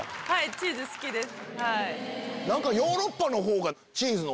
チーズ好きです。